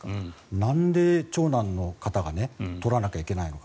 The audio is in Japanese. なんで長男の方が撮らなきゃいけないのか。